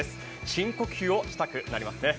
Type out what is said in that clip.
深呼吸をしたくなりますね。